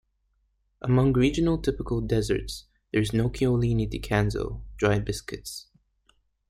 Among regional typical desserts, there is Nocciolini di Canzo, dry biscuits.